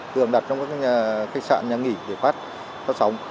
thường đặt trong các khách sạn nhà nghỉ để phát sóng